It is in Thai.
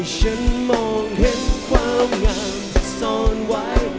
ฉันมองเห็นความงามซ่อนไว้